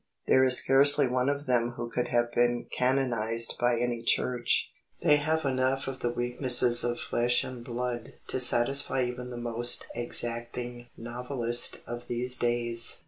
There is scarcely one of them who could have been canonised by any Church. They have enough of the weaknesses of flesh and blood to satisfy even the most exacting novelist of these days.